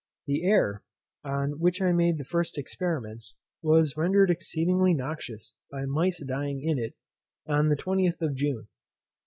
The air, on which I made the first experiments, was rendered exceedingly noxious by mice dying in it on the 20th of June.